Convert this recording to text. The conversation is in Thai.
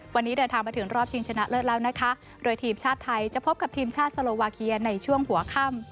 วันนี้เดินทางมาถึงรอบชิงชนะเลิศแล้วนะคะโดยทีมชาติไทยจะพบกับทีมชาติสโลวาเคียในช่วงหัวค่ำ